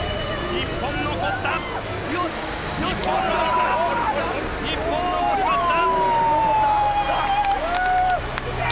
日本、残りました！